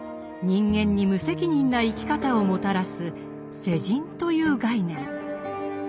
人間に無責任な生き方をもたらす「世人」という概念。